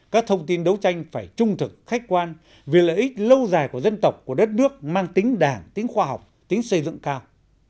các thông tin đấu tranh phải trung thực khách quan vì lợi ích lâu dài của dân tộc của đất nước mang tính đảng tính khoa học tính xây dựng cao